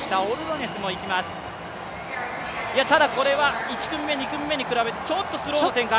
ただ、これは１組目、２組目に比べて、ちょっとスローな展開。